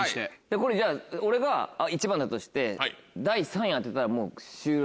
これじゃあ俺が１番だとして第３位当てたらもう終了。